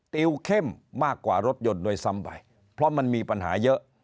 ติวเข้มมากกว่ารถยนต์ด้วยซ้ำไปเพราะมันมีปัญหาเยอะ